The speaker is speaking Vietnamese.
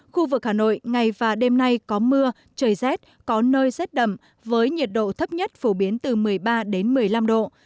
khu vực hà nội ngày và đêm nay có mưa trời rét có nơi rét đậm với nhiệt độ thấp nhất phổ biến từ một mươi ba đến một mươi năm độ